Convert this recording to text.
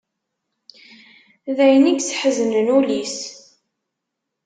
D ayen i yesḥeznen ul-is.